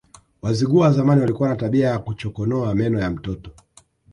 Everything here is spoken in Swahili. Wazigua wa zamani walikuwa na tabia ya kuchokonoa meno ya mtoto